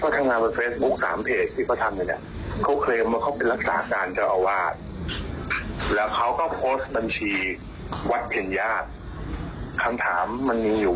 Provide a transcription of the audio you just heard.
หรือคณสงศ์ตรวรรณคม